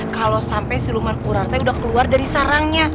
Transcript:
kalau sampai siluman ular teh udah keluar dari sarangnya